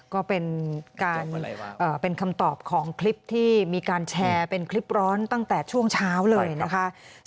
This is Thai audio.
ก็เป็นการเป็นคำตอบของคลิปที่มีการแชร์เป็นคลิปร้อนตั้งแต่ช่วงเช้าเลยนะคะ